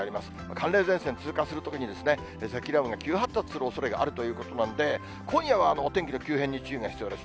寒冷前線通過するときに、積乱雲が急発達するおそれがあるということなんで、今夜はお天気の急変に注意が必要です。